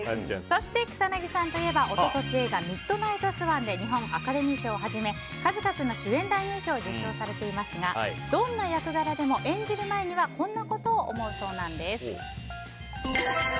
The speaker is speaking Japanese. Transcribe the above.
草なぎさんといえば一昨年映画「ミッドナイトスワン」で日本アカデミー賞をはじめ数々の主演男優賞を受賞されていますがどんな役柄でも演じる前にはこんなことを思うそうです。